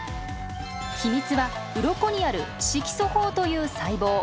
秘密はウロコにある色素胞という細胞。